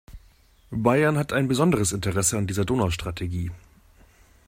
Bayern hat ein besonderes Interesse an dieser Donaustrategie.